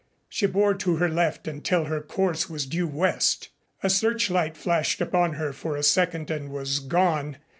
She bore to her left until her course was due west. A searchlight flashed upon her for a second and was gone.